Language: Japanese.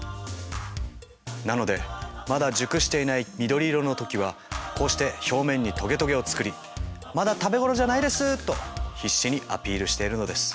なのでまだ熟していない緑色の時はこうして表面にトゲトゲを作り「まだ食べ頃じゃないです」と必死にアピールしているのです。